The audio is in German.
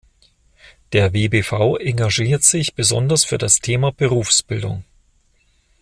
Der wbv engagiert sich besonders für das Thema Berufsbildung.